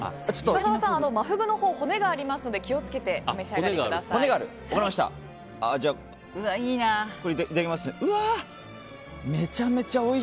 深澤さん真フグのほう、骨があるので気を付けてお召し上がりください。